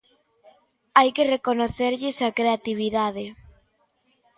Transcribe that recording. Hai que recoñecerlles a creatividade.